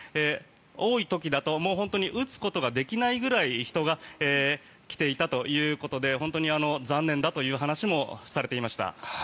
多い時だと打つことができないぐらい人が来ていたということで本当に残念だという話もされていました。